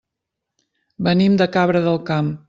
Venim de Cabra del Camp.